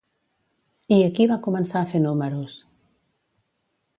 I aquí va començar a fer números: